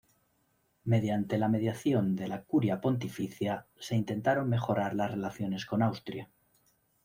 Mediante la mediación de la curia pontificia, se intentaron mejorar las relaciones con Austria.